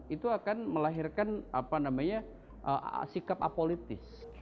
itu akan melahirkan apa namanya sikap apolitis